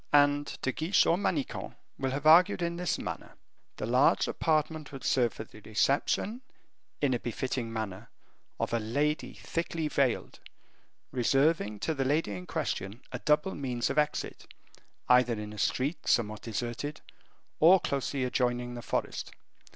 And De Guiche or Manicamp will have argued in this manner. The large apartment would serve for the reception, in a befitting manner, of a lady thickly veiled, reserving to the lady in question a double means of exit, either in a street somewhat deserted, or closely adjoining the forest.